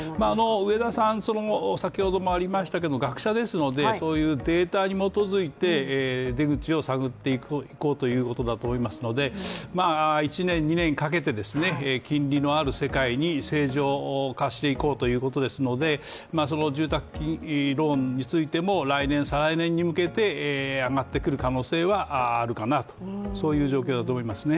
植田さんは学者ですので、データに基づいて出口を探っていこうといこうことだと思いますので１年、２年かけて金利のある世界に正常化していこうということですので住宅ローンについても来年、再来年に向けて上がってくる可能性はあるかなとそういう状況だと思いますね。